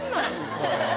これ。